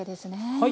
はい。